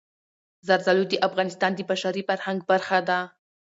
زردالو د افغانستان د بشري فرهنګ برخه ده.